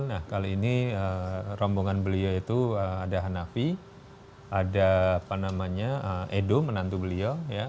nah kali ini rombongan beliau itu ada hanafi ada edo menantu beliau